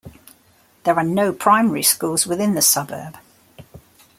There are no primary schools within the suburb.